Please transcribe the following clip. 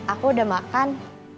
aku udah makan